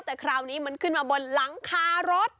แต่คราวนี้มันขึ้นมาบนหลังคารถ